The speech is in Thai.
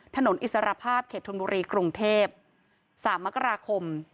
อิสรภาพเขตธนบุรีกรุงเทพ๓มกราคม